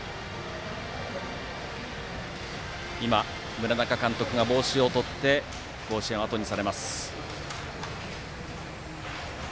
村中監督が帽子を取って甲子園をあとにされます。